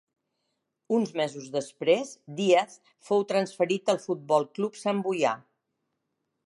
Uns mesos després Díaz fou transferit al Futbol Club Santboià.